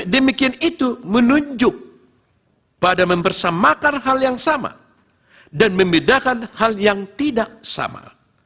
demikian itu menunjuk pada membersamakan hal yang sama dan membedakan hal yang tidak sama